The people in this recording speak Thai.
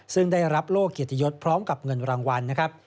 ซึ่งได้รับโลกเกียรติยศพร้อมกับเงินรางวัลนะครับ